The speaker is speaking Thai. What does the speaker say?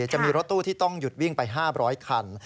จะมีรถตู้ที่ต้องหยุดวิ่งไป๕๐๐คัน